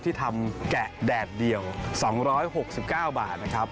ที่ทำแกะแดดเดียว๒๖๙บาทนะครับ